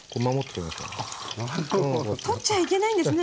取っちゃいけないんですね